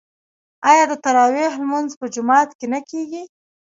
آیا د تراويح لمونځ په جومات کې نه کیږي؟